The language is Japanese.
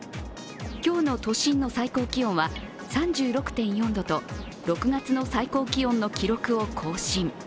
今日の都心の最高気温は３６．４度と６月の最高気温の記録を更新。